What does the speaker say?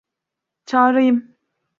Çağırayım.